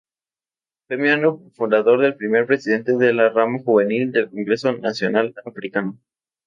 Fue miembro fundador y primer presidente de la rama juvenil del Congreso Nacional Africano.